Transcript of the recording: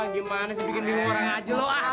gimana sih bikin bingung orang aja lu ah